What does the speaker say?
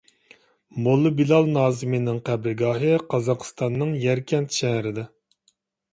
موللا بىلال نازىمىنىڭ قەبرىگاھى قازاقسىتاننىڭ يەركەنت شەھىرىدە.